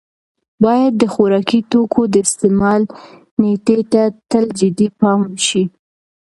باید د خوراکي توکو د استعمال نېټې ته تل جدي پام وشي.